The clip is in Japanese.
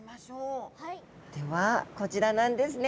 ではこちらなんですね。